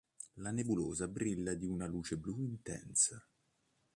La nebulosa brilla di una luce blu intensa.